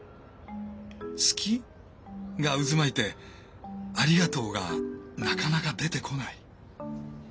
「好き？」が渦巻いて「ありがとう」がなかなか出てこない。